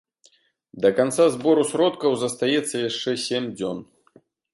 Да канца збору сродкаў застаецца яшчэ сем дзён.